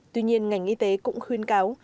tuy nhiên ngành y tế cũng khuyên cáo